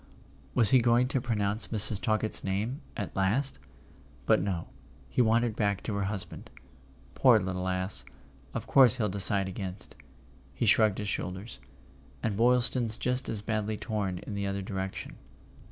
Was he going to pronounce Mrs. Talkett's name—at last? But no; he wandered back to her husband. "Poor little ass! Of course he'll decide against." He shrugged his shoulders. "And Boylston's just as badly torn in the other direc¬ tion."